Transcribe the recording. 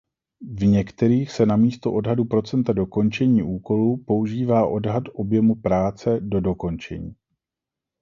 V některých se namísto odhadu procenta dokončení úkolu používá odhad objemu práce do dokončení.